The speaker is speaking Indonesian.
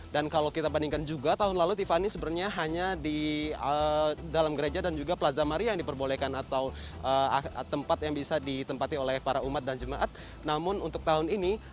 dan kalau kita bandingkan juga tahun lalu tiffany sebenarnya hanya di dalam gereja dan juga plaza maria yang diperbolehkan